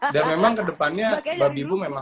dan memang kedepannya babi ibu memang